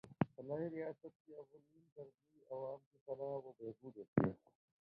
فلاحی ریاست کی اولین ترجیح عوام کی فلاح و بہبود ہوتی ہے